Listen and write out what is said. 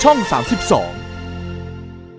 หนูสาวเป็นก่วยเนี่ย